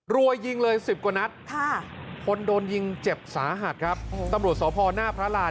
รัวยิงเลย๑๐กว่านัดคนโดนยิงเจ็บสาหัสครับตำรวจสพหน้าพระราน